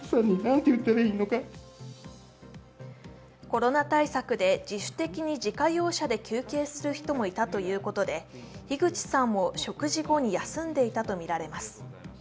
コロナ対策で自主的に自家用車で休憩する人もいたということで樋口さんも食事後に休んでいたとみられます。